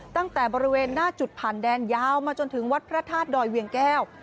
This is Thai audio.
ตั้งแต่บริเวณหน้าจุดผ่านแดนยาวมาจนถึงวัดพระธาตุดอยเวียงแก้ว